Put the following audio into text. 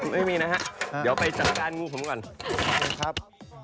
ไม่มีใครไม่มีนะครับ